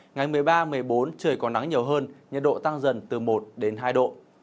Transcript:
ngày một mươi ba một mươi bốn trời có nắng nhiều hơn nhiệt độ tăng dần từ một đến hai độ